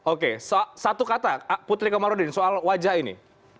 oke satu kata putri komarudin soal wajah ini